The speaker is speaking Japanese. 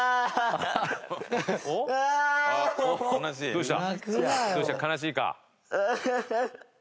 どうした？